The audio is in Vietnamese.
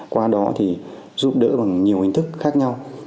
qua đó thì giúp đỡ bằng nhiều hình thức khác nhau